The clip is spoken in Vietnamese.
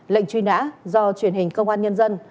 lệnh truy nã do truyền hình công an nhân dân